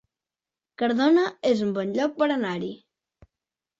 Cardona es un bon lloc per anar-hi